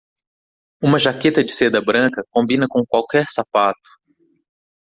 Uma jaqueta de seda branca combina com qualquer sapato.